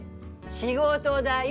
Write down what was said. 仕事だよ。